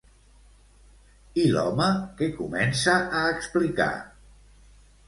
I l'home, què comença a explicar?